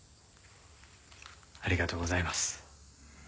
ありがとうございます。